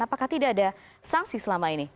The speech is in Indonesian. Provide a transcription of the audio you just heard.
apakah tidak ada sanksi selama ini